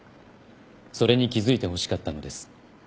それに気付いてほしかったのです。